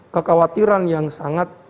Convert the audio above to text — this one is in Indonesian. kekhawatiran yang sangat